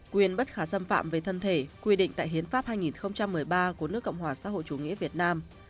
quyền bất khả xâm phạm về thân thể quy định tại hiến pháp hai nghìn một mươi ba của nước cộng hòa xã hội chủ nghĩa việt nam